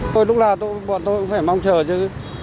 thôi lúc nào bọn tôi cũng phải mong chờ chứ